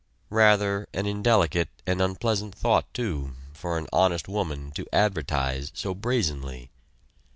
Rather an indelicate and unpleasant thought, too, for an "honest" woman to advertise so brazenly.